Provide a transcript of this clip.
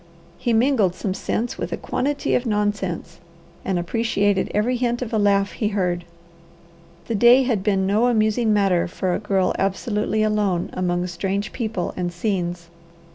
He mingled some sense with a quantity of nonsense, and appreciated every hint of a laugh he heard. The day had been no amusing matter for a girl absolutely alone among strange people and scenes.